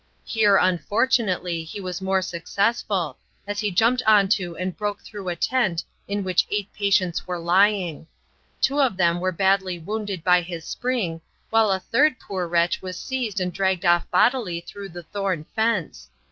Here, unfortunately, he was more successful, as he jumped on to and broke through a tent in which eight patients were lying. Two of them were badly wounded by his spring, while a third poor wretch was seized and dragged off bodily through the thorn fence.